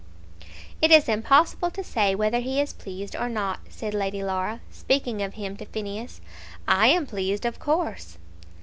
"It is impossible to say whether he is pleased or not," said Lady Laura, speaking of him to Phineas. "I am pleased, of course."